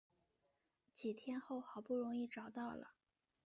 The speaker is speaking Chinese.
几天后好不容易找到了